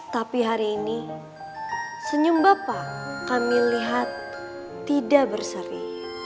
tapi hari ini senyum bapak kami lihat tidak berseri